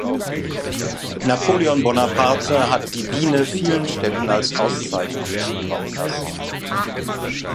Napoleon Bonaparte hat die Biene vielen Städten als Auszeichnung zukommen lassen.